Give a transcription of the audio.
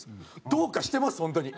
どうかしてます本当に。